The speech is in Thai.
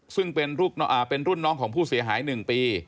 ซึ่งเป็นรุ่นน้องของผู้เสียหาย๑ปี